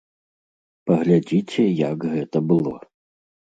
Паглядзіце, як гэта было.